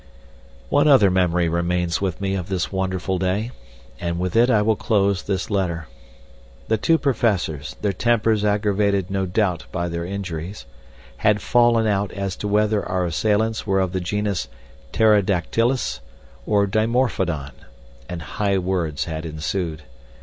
One other memory remains with me of this wonderful day, and with it I will close this letter. The two professors, their tempers aggravated no doubt by their injuries, had fallen out as to whether our assailants were of the genus pterodactylus or dimorphodon, and high words had ensued.